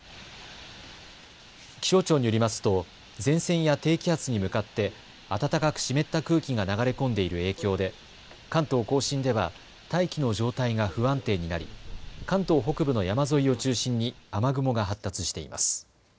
気象庁によりますと前線や低気圧に向かって暖かく湿った空気が流れ込んでいる影響で関東甲信では大気の状態が不安定になり関東北部の山沿いを中心に雨雲が発達しています。